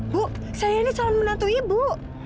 bu saya ini calon menantu ibu